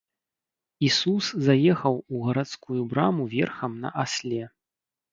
Ісус заехаў у гарадскую браму верхам на асле.